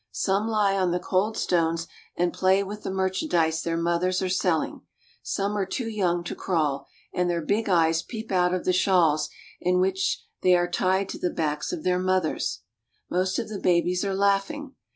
Some lie on the cold stones and play with the merchan dise their mothers are selling. Some are too young to crawl, and their big eyes peep out of the shawls in which they are tied to the backs of their mothers. Most of the babies are laughing.